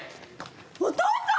お父さん！